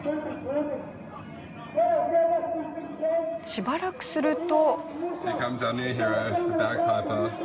しばらくすると。